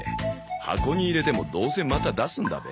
箱に入れてもどうせまた出すんだべ？